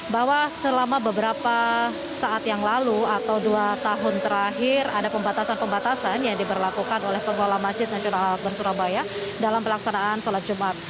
bahwa selama beberapa saat yang lalu atau dua tahun terakhir ada pembatasan pembatasan yang diberlakukan oleh pengelola masjid nasional al akbar surabaya dalam pelaksanaan sholat jumat